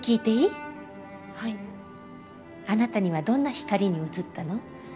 あなたにはどんな光に映ったの？